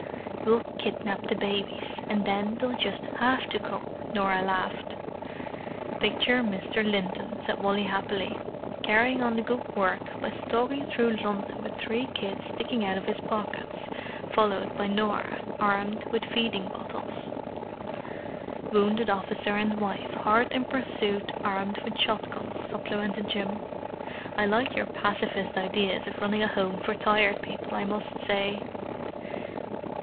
"We'll kidnap the babies, and then they'll just have to come," Norah laughed. "Picture Mr. Linton," said Wally happily, "carrying on the good work by stalking through London with three kids sticking out of his pockets—followed by Norah, armed with feeding bottles!" "Wounded officer and wife hard in pursuit armed with shot guns!" supplemented Jim. "I like your pacifist ideas of running a home for Tired People, I must say!"